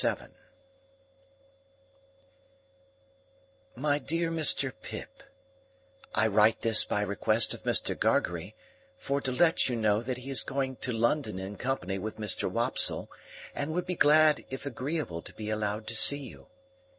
"MY DEAR MR PIP:— "I write this by request of Mr. Gargery, for to let you know that he is going to London in company with Mr. Wopsle and would be glad if agreeable to be allowed to see you.